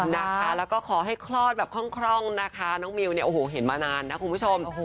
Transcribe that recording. แล้วก็ขอให้คลอดแบบคล่องนะคะน้องมิวเนี่ยโอ้โหเห็นมานานนะคุณผู้ชม